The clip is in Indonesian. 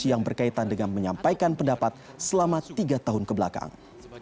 yang berkaitan dengan menyampaikan pendapat selama tiga tahun kebelakang